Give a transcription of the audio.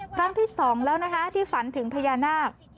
ครั้งที่๒แล้วนะคะที่ฝันถึงพญานาค